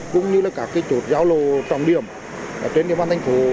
cũng như là các cái chỗ giao lộ trọng điểm ở trên địa phương thành phố